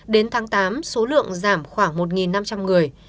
đến tháng tám số lượng giảm khoảng một năm trăm linh người